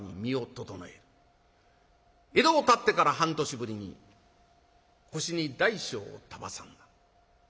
江戸をたってから半年ぶりに腰に大小を手挟んだ。